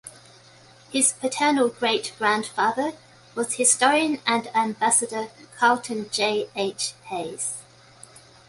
His paternal great-grandfather was historian and ambassador Carlton J. H. Hayes.